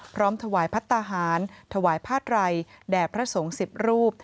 พร้อมถวายพัฒนาหารถวายผ้าไรแด่พระสงฆ์๑๐รูป